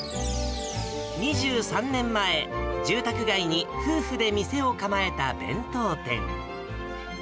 ２３年前、住宅街に夫婦で店を構えた弁当店。